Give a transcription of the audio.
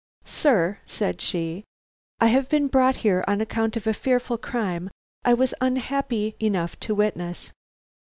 "Sir," said she, "I have been brought here on account of a fearful crime I was unhappy enough to witness.